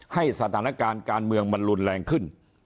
ให้สถานการณ์การเมืองมันรุนแรงขึ้น